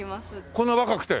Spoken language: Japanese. こんな若くて？